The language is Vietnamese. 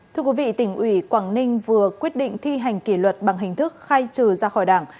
thưa quý vị tỉnh ủy quảng ninh vừa quyết định thi hành kỷ luật bằng hình thức khai trừ ra khỏi đảng